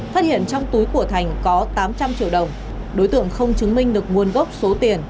phát hiện trong túi của thành có tám trăm linh triệu đồng đối tượng không chứng minh được nguồn gốc số tiền